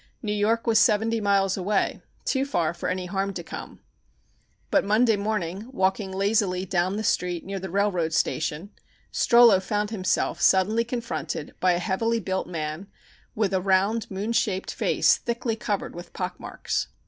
New York was seventy miles away too far for any harm to come. But Monday morning, walking lazily down the street near the railroad station, Strollo found himself suddenly confronted by a heavily built man with a round, moon shaped face thickly covered with pockmarks.